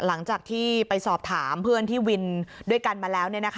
หลังจากที่ไปสอบถามเพื่อนที่วินด้วยกันมาแล้ว